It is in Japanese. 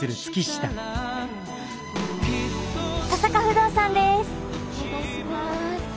登坂不動産です。